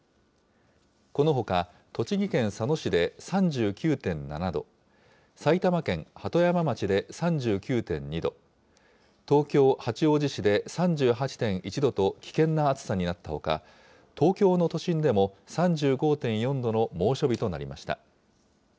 このほか栃木県佐野市で３９．７度、埼玉県鳩山町で３９．２度、東京・八王子市で３８．１度と危険な暑さになったほか、東京の都心でも３５．４度の猛暑日となりました。